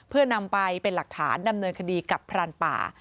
เพื่อนำไปเป็นหลักฐานดำเนินคดีกับพรานป่า